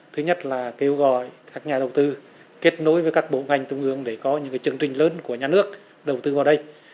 thứ nhất là kêu gọi các nhà đầu tư kết nối với các bộ ngành trung ương để có những chương trình lớn của nhà nước đầu tư vào đây